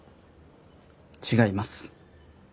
違います。